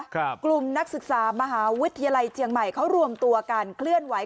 กลุ่มนักศึกษามหาวิทยาลัยเจียงใหม่เขารวมตัวกันเคลื่อนไหว